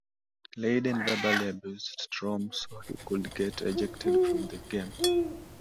Layden verbally abused Strom so he could get ejected from the game.